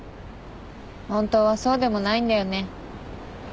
本当はそうでもないんだよね。